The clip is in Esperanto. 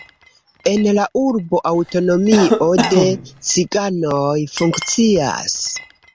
En la urbo aŭtonomio de ciganoj funkcias.